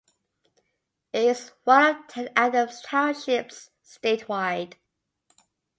It is one of ten Adams Townships statewide.